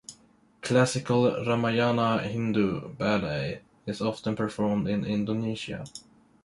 Classical Ramayana Hindu ballet is often performed in Indonesia.